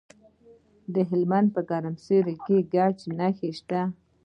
د هلمند په ګرمسیر کې د ګچ نښې شته.